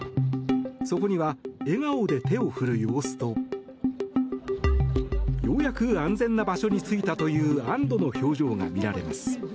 そこには笑顔で手を振る様子とようやく安全な場所に着いたという安どの表情が見られます。